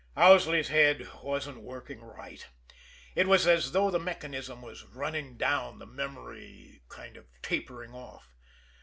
Owsley's head wasn't working right it was as though the mechanism was running down the memory kind of tapering off.